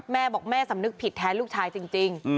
แม่บอกแม่สำนึกผิดแทนลูกชายจริง